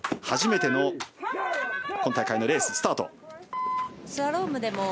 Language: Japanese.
初めての今大会のレースです。